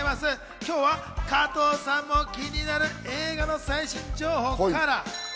今日は加藤さんも気になる映画の最新情報から。